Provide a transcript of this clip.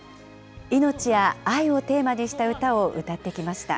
命や愛をテーマにした歌を歌ってきました。